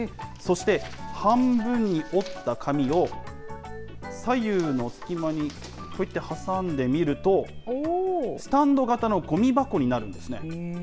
そして、半分に折った紙を左右の隙間にこうやって挟んでみると、スタンド型のごみ箱になるんですね。